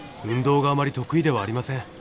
運動があまり得意ではありません。